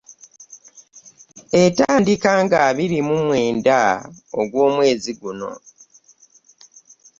Etandika nga abiri mu mwenda ogw'omwezi guno.